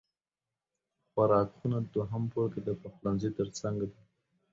خوراک خونه دوهم پوړ کې د پخلنځی تر څنګ ده